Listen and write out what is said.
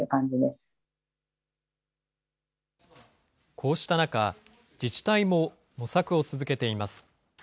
こうした中、自治体も模索を続けています。